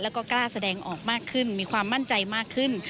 แล้วก็กล้าแสดงออกมากขึ้นมีความมั่นใจมากขึ้น